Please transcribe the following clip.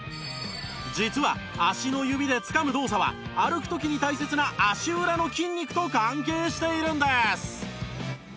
実は足の指でつかむ動作は歩く時に大切な足裏の筋肉と関係しているんです